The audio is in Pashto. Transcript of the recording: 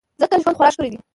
ځکه ژوند خورا ښکلی دی.